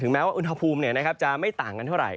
แม้ว่าอุณหภูมิจะไม่ต่างกันเท่าไห